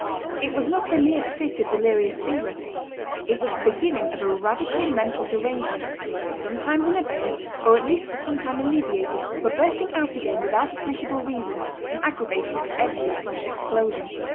It was not a mere fit of delirious fever; it was the beginning of a radical mental derangement, sometimes in abeyance, or at least for some time alleviated, but bursting out again without appreciable reason, and aggravated at every fresh explosion.